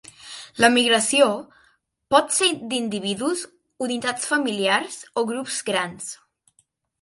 La migració pot ser d'individus, unitats familiars o grups grans.